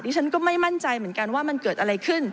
ฉันก็ไม่มั่นใจเหมือนกันว่ามันเกิดอะไรขึ้น